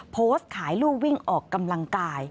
โพสต์ขายลูกวิ่งออกกำลังกาย